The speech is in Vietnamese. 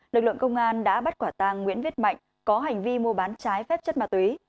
lực lượng công an đã bắt quả tang nguyễn viết mạnh có hành vi mua bán trái phép chất ma túy